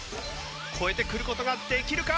超えてくる事ができるか？